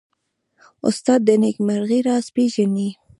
استاد د نېکمرغۍ راز پېژني.